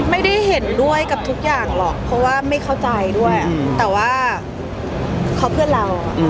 ไม่ได้เห็นด้วยกับทุกอย่างหรอกเพราะว่าไม่เข้าใจด้วยแต่ว่าเขาเพื่อนเรา